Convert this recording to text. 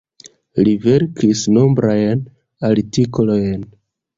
Li verkis nombrajn artikolojn.